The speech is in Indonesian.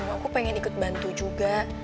aku pengen ikut bantu juga